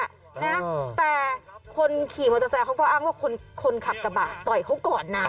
นะแต่คนขี่มอเตอร์ไซค์เขาก็อ้างว่าคนคนขับกระบะต่อยเขาก่อนนะ